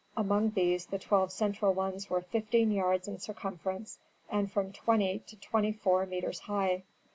Among these the twelve central ones were fifteen yards in circumference and from twenty to twenty four metres high.